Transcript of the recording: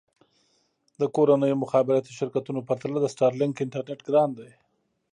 د کورنیو مخابراتي شرکتونو پرتله د سټارلېنک انټرنېټ ګران دی.